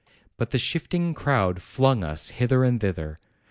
But the shifting crowd flung us hither and thither.